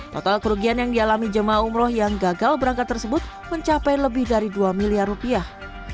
total kerugian yang dialami jemaah umroh yang gagal berangkat tersebut mencapai lebih dari dua miliar rupiah